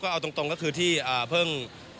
เอาตรงก็คือที่เพิ่ง